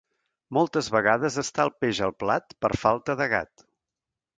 Moltes vegades està el peix al plat, per falta de gat.